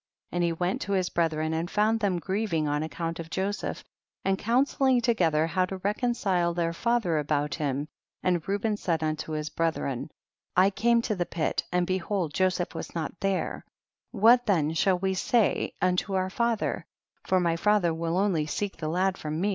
and he went to his brethren and found them grieving on account of Joseph, and counselling together how to reconcile their father about him, and Reuben said unto his brethren, I came to the pit and behold Joseph was not there, what then shall we say unto our fa ther, for my father will only seek the lad from me.